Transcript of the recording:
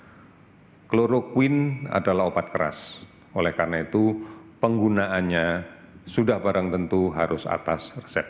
hai kloroquine adalah obat keras oleh karena itu penggunaannya sudah barang tentu harus atas resep